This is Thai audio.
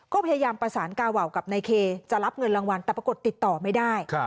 ก็พยายามประสานกาวาวกับนายเคจะรับเงินรางวัลแต่ปรากฏติดต่อไม่ได้